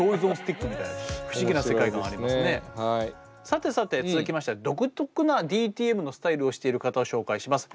さてさて続きましては独特なＤＴＭのスタイルをしている方を紹介します。